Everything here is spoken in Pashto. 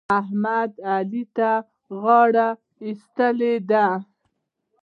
احمد؛ علي ته غاړه ايښې ده.